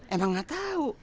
emang gak tau